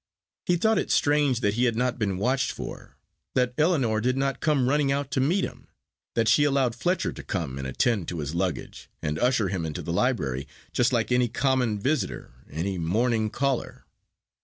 He thought it strange that he had not been watched for, that Ellinor did not come running out to meet him, that she allowed Fletcher to come and attend to his luggage, and usher him into the library just like any common visitor, any morning caller.